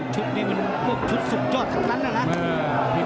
ชุดนี้มันพวกชุดสุดยอดทั้งนั้นนะครับ